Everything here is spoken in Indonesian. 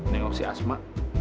nengok si asma